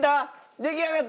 出来上がった？